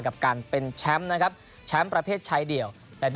กับการเป็นแชมป์นะครับแชมป์ประเภทชายเดียว